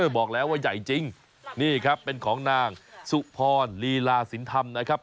บอกแล้วว่าใหญ่จริงนี่ครับเป็นของนางสุพรลีลาสินธรรมนะครับ